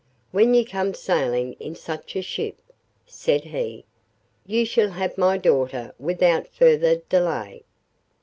When you come sailing in such a ship,' said he, 'you shall have my daughter without further delay.